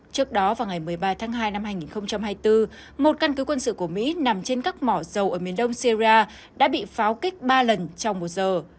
trước đó vào ngày một mươi ba tháng hai năm hai nghìn hai mươi bốn một căn cứ quân sự của mỹ nằm trên các mỏ dầu ở miền đông syria đã bị pháo kích ba lần trong một giờ